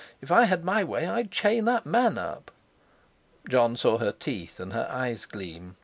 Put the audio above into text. If I had my way, I'd chain that man up." Jon saw her teeth and her eyes gleam.